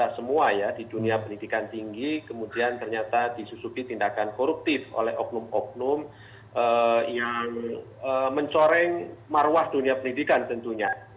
ada semua ya di dunia penyidikan tinggi kemudian ternyata disusuki tindakan koruptif oleh oknum oknum yang mencoreng maruah dunia penyidikan tentunya